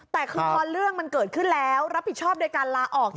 แต่คือพอเรื่องมันเกิดขึ้นแล้วรับผิดชอบโดยการลาออก